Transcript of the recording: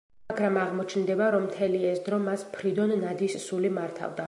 მაგრამ აღმოჩნდება, რომ მთელი ეს დრო მას ფრიდონ ნადის სული მართავდა.